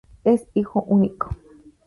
Es hijo único.